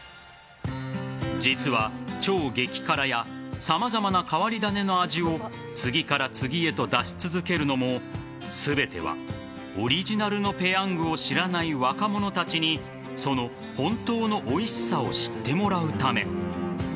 実は超激辛や様々な変わり種の味を次から次へと出し続けるのも全てはオリジナルのペヤングを知らない若者たちにその本当のおいしさを知ってもらうため。